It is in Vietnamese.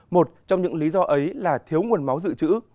một trong những lý do ấy là thiếu nguồn máu dự trữ